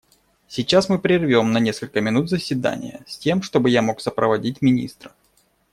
Сейчас мы прервем на несколько минут заседание, с тем чтобы я мог сопроводить министра.